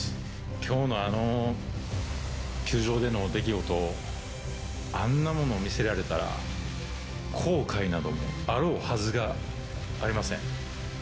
きょうのあの球場での出来事、あんなもの見せられたら、後悔などあろうはずがありません。